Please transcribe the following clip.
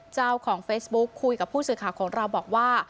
เจ้าของเฟซบุ๊คคุยกับผู้สื่อข่าวของเราบอกว่า